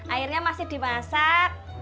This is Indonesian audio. airnya masih dimasak